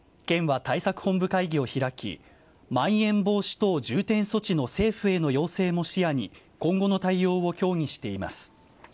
県は対策本部会議を開き、まん延防止等重点措置の政府への要請も視野に、今後の対応を協議しています。